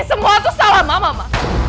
semua susah lama mama